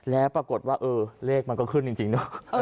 แล้วปรากฏว่าเออเลขมันก็ขึ้นจริงเนอะ